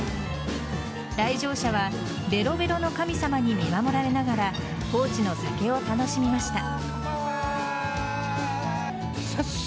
来場者はベロベロの神様に見守られながら高知の酒を楽しみました。